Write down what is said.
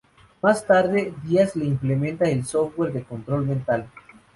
Más tarde, Díaz le implanta el software de control mental.